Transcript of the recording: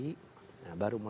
nah baru mulai